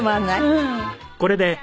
うん。